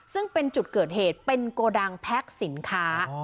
ซึ่งเป็นจุดเกิดเหตุเป็นโกดังแพ็คสินค้า